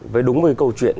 với đúng với câu chuyện